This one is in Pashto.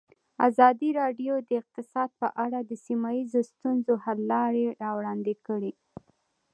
ازادي راډیو د اقتصاد په اړه د سیمه ییزو ستونزو حل لارې راوړاندې کړې.